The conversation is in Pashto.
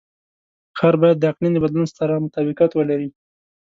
ښار باید د اقلیم د بدلون سره مطابقت ولري.